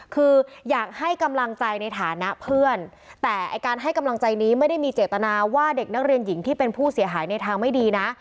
คืออยากให้กำลังใจในฐานะเพื่อนแต่ไอ้การให้กำลังใจนี้ไม่ได้มีเจตนาว่าเด็กนักเรียนหญิงที่เป็นผู้เสียหายในทางไม่ดีนะ